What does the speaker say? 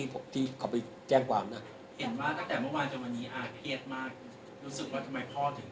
บอกว่าเขาแจ้งจัดหรือไม่